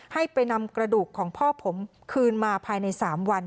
ให้ไปนำกระดูกของพ่อผมคืนมาภายใน๓วัน